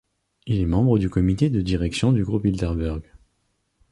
Il est membre du comité de direction du groupe Bilderberg.